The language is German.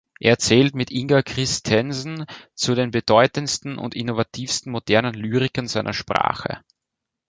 Er zählt mit Inger Christensen zu den bedeutendsten und innovativsten modernen Lyrikern seiner Sprache.